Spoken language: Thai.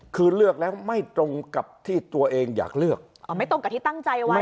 คือเลือกแล้วไม่ตรงกับที่ตัวเองอยากเลือกอ๋อไม่ตรงกับที่ตั้งใจไว้